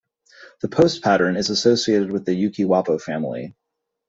The Post Pattern is associated with the Yuki-Wappo family.